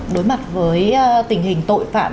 đối mặt với tình hình tội phạm